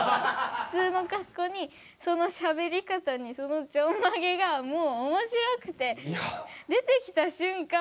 普通の格好にそのしゃべり方にそのちょんまげがもうおもしろくて出てきた瞬間